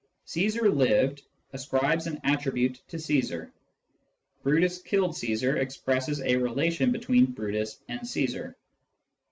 " Caesar lived " ascribes an attribute to Caesar ;" Brutus killed Caesar " expresses a relation between Brutus and Caesar.